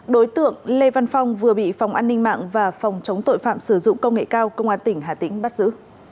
đối tượng lê văn phong vừa bị phòng an ninh mạng và phòng chống tội phạm sử dụng công nghệ cao công an tỉnh hà tĩnh bắt giữ